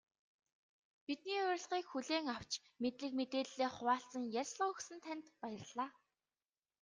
Бидний урилгыг хүлээн авч, мэдлэг мэдээллээ хуваалцан ярилцлага өгсөн танд баярлалаа.